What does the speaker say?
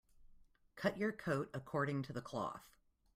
Cut your coat according to the cloth.